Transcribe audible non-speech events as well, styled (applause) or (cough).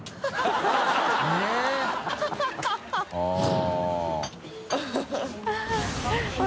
ハハハ (laughs)